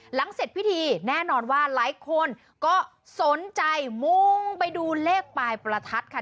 หลังเสร็จพิธีแน่นอนว่าหลายคนก็สนใจมุงไปดูเลขปลายประทัดค่ะ